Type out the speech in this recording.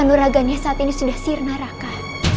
anuraganya saat ini sudah sirna raka